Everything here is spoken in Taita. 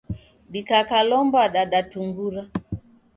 Dikakalomba dadatungura.